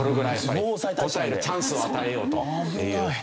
答えるチャンスを与えようと。